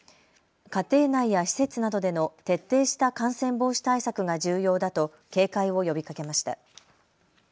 家庭内や施設などでの徹底した感染防止対策が重要だと警戒を呼びかけました。